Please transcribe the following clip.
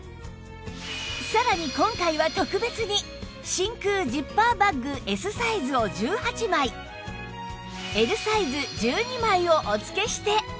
さらに今回は特別に真空ジッパーバッグ Ｓ サイズを１８枚 Ｌ サイズ１２枚をお付けして